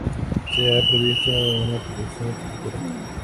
Se ha previsto una producción futura.